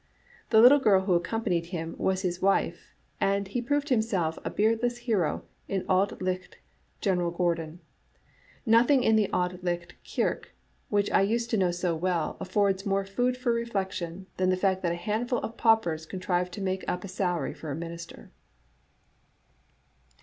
The little girl who accompanied him was his wife, and he proved himself a beardless hero, an Auld Licht General Gordon. Nothing in the Auld Licht kirk which I used to know so well affords more food for reflection than the fact that a handful of paupers contrived to make up a salary for a minister."